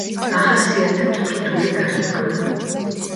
ახასიათებთ რთული გარდაქმნა.